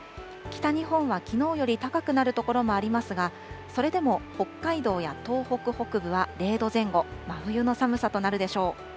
北日本はきのうより高くなる所もありますが、それでも北海道や東北北部は、０度前後、真冬の寒さとなるでしょう。